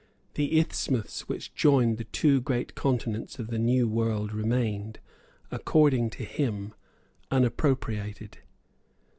The isthmus which joined the two great continents of the New World remained, according to him, unappropriated.